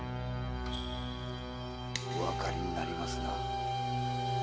おわかりになりますな？